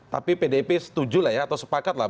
tapi pdip setuju lah ya atau sepakat lah